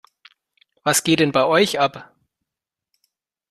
Was geht denn bei euch ab?